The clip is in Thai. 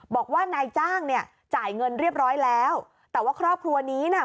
บอกว่านายจ้างเนี่ยจ่ายเงินเรียบร้อยแล้วแต่ว่าครอบครัวนี้น่ะ